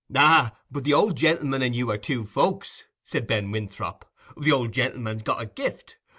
"Ah! but the old gentleman and you are two folks," said Ben Winthrop. "The old gentleman's got a gift.